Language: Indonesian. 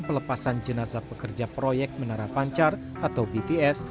pelepasan jenazah pekerja proyek menara pancar atau bts